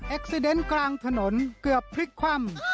ซีเดนกลางถนนเกือบพลิกคว่ำ